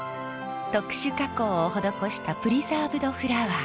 特殊加工を施したプリザーブドフラワー。